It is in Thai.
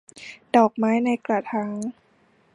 ดอกไม้ในกระถาง